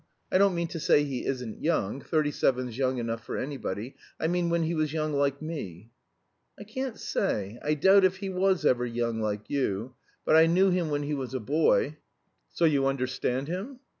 I don't mean to say he isn't young thirty seven's young enough for anybody I mean when he was young like me?" "I can't say. I doubt if he was ever young like you. But I knew him when he was a boy." "So you understand him?"